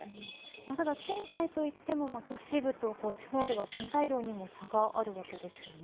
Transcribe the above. ただ、賃貸といっても都市部と地方では賃貸料にも差があるわけですよね。